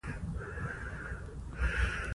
تالابونه د افغانستان د بڼوالۍ برخه ده.